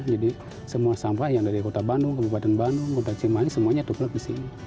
jadi semua sampah yang dari kota bandung kebupatan bandung kota cimali semuanya terpulang di sini